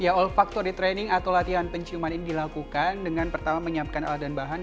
ya olfaktori training atau latihan penciuman ini dilakukan dengan pertama menyiapkan alat dan bahan